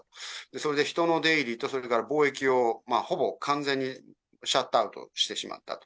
それで人の出入りと、それから貿易をほぼ完全にシャットアウトしてしまったと。